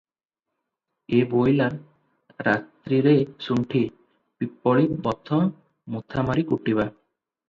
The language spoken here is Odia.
'ଏ ବୋଇଲା, ରାତ୍ରିରେ ଶୁଣ୍ଠି, ପିପ୍ପଳି ବଚ ମୁଥା ମାରି କୁଟିବା ।"